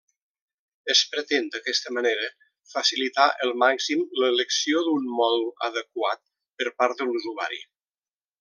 Es pretén d'aquesta manera facilitar el màxim l'elecció d'un mòdul adequat per part de l'usuari.